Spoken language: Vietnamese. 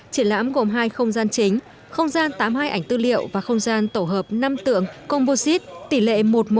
triển lãm gồm hai không gian chính không gian tám mươi hai ảnh tư liệu và không gian tổ hợp năm tượng composite tỷ lệ một một